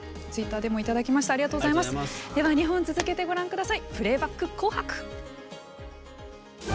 では、２本続けてご覧ください。